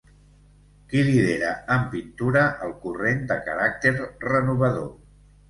Qui lidera en pintura el corrent de caràcter renovador?